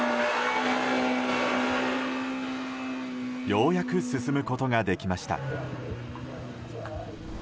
ようやく進むことができました。